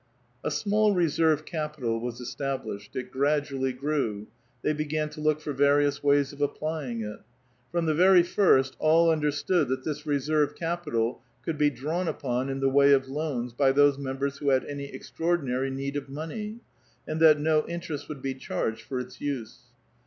small reserve capital was established ; it gradually grew ; "fcliey bvigan to look for various ways of applying it. From e" very first, all understood that this reserve capital could drawn upon in the way of loans by those members who ad any extraordinary need of money, and that no interest ould be charged for its use.